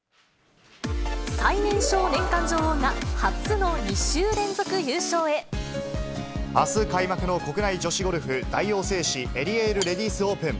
最年少年間女王が初の２週連あす開幕の国内女子ゴルフ、大王製紙エリエールレディスオープン。